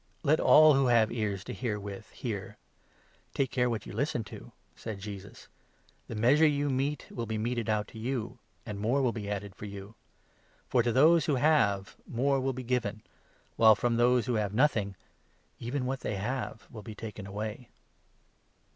Let all who have 23 ears to hear with hear. Take care what you listen to," said 24 Jesus. "The measure you mete will be meted out to you, and more will be added for you. For, to those who have, more will 25 be given ; while, from those who have nothing, even what they have will be taken away."